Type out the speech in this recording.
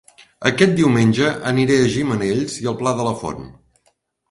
Aquest diumenge aniré a Gimenells i el Pla de la Font